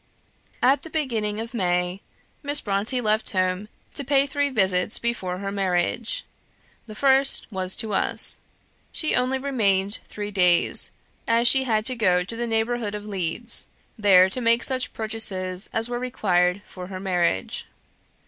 At the beginning of May, Miss Brontë left home to pay three visits before her marriage. The first was to us. She only remained three days, as she had to go to the neighbourhood of Leeds, there to make such purchases as were required for her marriage.